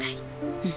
うん。